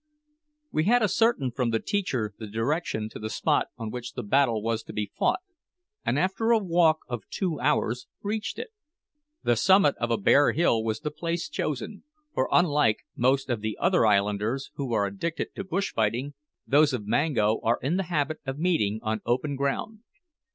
We had ascertained from the teacher the direction to the spot on which the battle was to be fought, and after a walk of two hours, reached it. The summit of a bare hill was the place chosen; for, unlike most of the other islanders, who are addicted to bush fighting, those of Mango are in the habit of meeting on open ground.